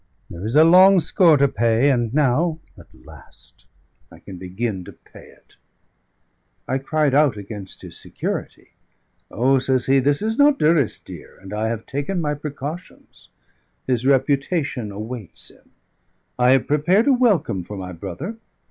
There is a long score to pay, and now at last I can begin to pay it." I cried out against his security. "O!" says he, "this is not Durrisdeer, and I have taken my precautions. His reputation awaits him; I have prepared a welcome for my brother.